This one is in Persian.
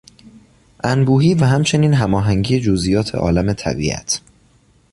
انبوهی و همچنین هماهنگی جزئیات عالم طبیعت